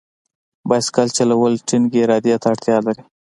بایسکل چلول ټینګې ارادې ته اړتیا لري.